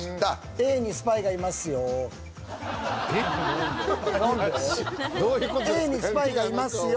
Ａにスパイがいますよ。